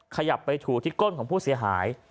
ขยับไปถูกที่ก้นของผู้เสียหาย